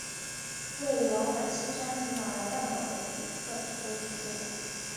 为往返新山及马来半岛的旅客提供服务。